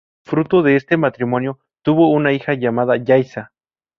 Fruto de este matrimonio tuvo una hija llamada Yaiza.